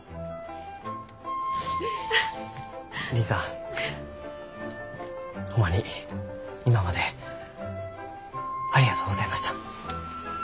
りんさんホンマに今までありがとうございました。